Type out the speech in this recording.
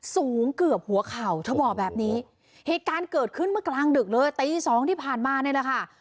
สูงเกือบหัวเข่าเธอบอกแบบนี้เหตุการณ์เกิดขึ้นเมื่อกลางดึกเลยตีสองที่ผ่านมานี่แหละค่ะ